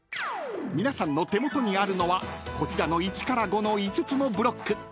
［皆さんの手元にあるのはこちらの１から５の５つのブロック。